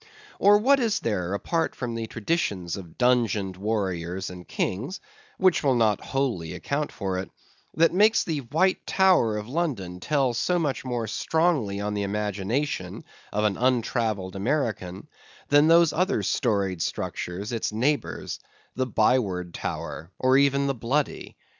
Or what is there apart from the traditions of dungeoned warriors and kings (which will not wholly account for it) that makes the White Tower of London tell so much more strongly on the imagination of an untravelled American, than those other storied structures, its neighbors—the Byward Tower, or even the Bloody?